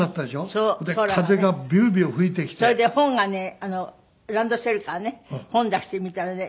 それで本がねランドセルからね本出して見たらね